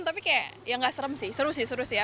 tapi kayak ya nggak serem sih seru sih seru sih ya